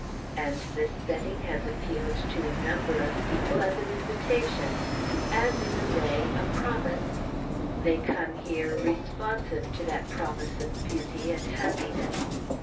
And this setting has appealed to a number of people as an invitation, as, in a way, a promise. They come here, responsive to that promise of beauty and happiness.